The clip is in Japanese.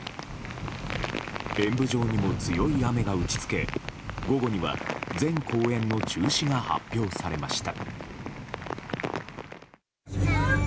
演舞場にも強い雨が打ち付け午後には全公演の中止が発表されました。